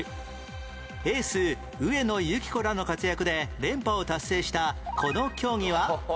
エース上野由岐子らの活躍で連覇を達成したこの競技は？